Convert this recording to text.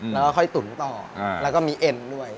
แล้วก็ค่อยตุ๋นต่อแล้วก็มีเอ็นด้วย